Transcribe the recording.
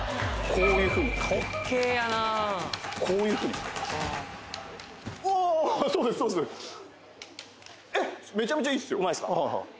こういうふうにこういうふうにそうですそうですえっうまいですか？